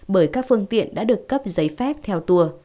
bởi các phương tiện đã được cấp giấy phép theo tour